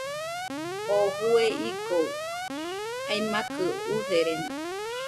Oo jue igoɨ aimakɨ userena.